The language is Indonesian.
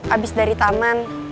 abis dari taman